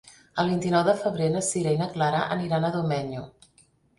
El vint-i-nou de febrer na Sira i na Clara aniran a Domenyo.